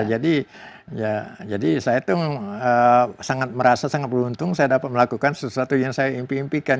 jadi saya itu sangat merasa sangat beruntung saya dapat melakukan sesuatu yang saya impikan